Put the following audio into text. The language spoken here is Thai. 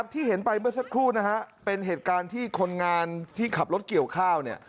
ที่เห็นไปเมื่อสักครู่นะฮะเป็นเหตุการณ์ที่คนงานที่ขับรถเกี่ยวข้าวเนี่ย